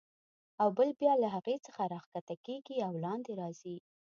او بل بیا له هغې څخه راکښته کېږي او لاندې راځي.